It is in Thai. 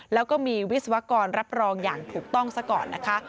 แล้วก็มีวิศวกรรับรองอย่างถูกต้องซะก่อนนะคะ